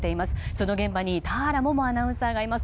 その現場に田原萌々アナウンサーがいます。